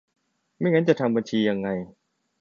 ไม่งั้นจะทำบัญชียังไง